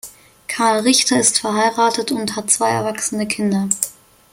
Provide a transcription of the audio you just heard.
Karl Richter ist verheiratet und hat zwei erwachsene Kinder.